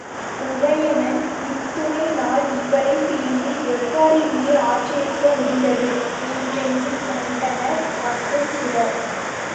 உதயணன் இத்துணை நாள் இவளைப் பிரிந்து எவ்வாறு இங்கே ஆற்றியிருக்க முடிந்தது? என்றெண்ணிக் கொண்டனர் மற்றும் சிலர்.